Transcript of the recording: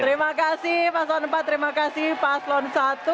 terima kasih pak salon empat terima kasih pak salon satu